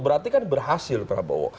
berarti kan berhasil prabowo